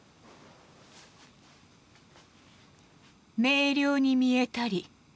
「明瞭に見えたり。